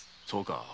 そうか。